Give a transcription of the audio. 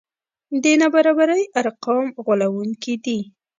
د نابرابرۍ ارقام غولوونکي دي.